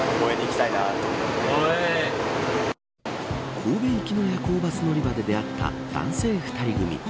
神戸行きの夜行バス乗り場で出会った男性２人組。